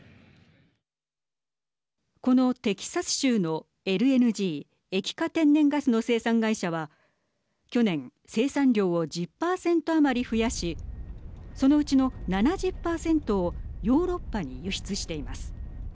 このテキサス州のＬＮＧ＝液化天然ガスの生産会社は去年、生産量を１０％余り増やしそのうちの７０％をヨーロッパに輸出しています。